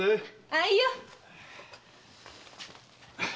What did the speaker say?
あいよ！